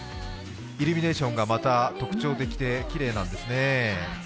イルミネーションがまた特徴的できれいなんですね。